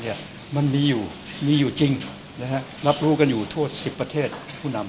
อายุมีอยู่จริงรับรู้กันอยู่ทุก๑๐ประเทศผู้นำ